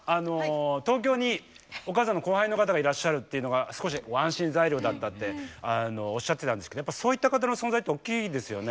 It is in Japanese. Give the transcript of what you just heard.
東京にお母さんの後輩の方がいらっしゃるっていうのが少し安心材料だったっておっしゃってたんですけどやっぱそういった方の存在って大きいですよね？